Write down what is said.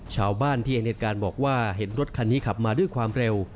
ชาวบ้านที่เห็นเหตุการณ์บอกว่าเห็นรถคันนี้ขับมาด้วยความเร็ว